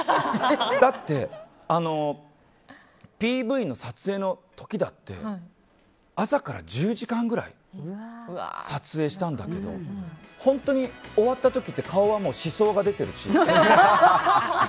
だって、ＰＶの撮影の時だって朝から１０時間ぐらい撮影したんだけど本当に終わった時って顔は死相が出ているし。